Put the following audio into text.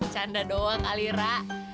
canda doang alira